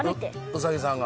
ウサギさんが？